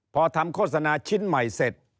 พอทำโฆษณาชิ้นใหม่เสร็จ